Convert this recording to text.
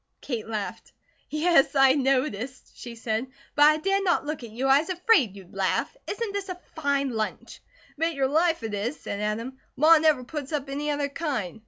Kate laughed. "Yes, I noticed," she said, "but I dared not look at you. I was afraid you'd laugh. Isn't this a fine lunch?" "Bet your life it is," said Adam. "Ma never puts up any other kind."